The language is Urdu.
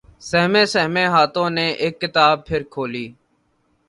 سہمے سہمے ہاتھوں نے اک کتاب پھر کھولی